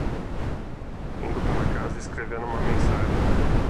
Indo para casa e escrevendo uma mensagem